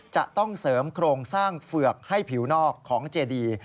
จะต้องเสริมโครงสร้างเฝือกให้ผิวนอกของเจดี